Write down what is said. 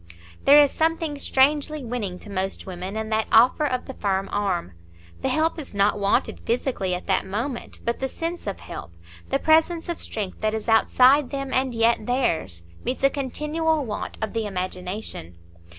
There is something strangely winning to most women in that offer of the firm arm; the help is not wanted physically at that moment, but the sense of help, the presence of strength that is outside them and yet theirs, meets a continual want of the imagination.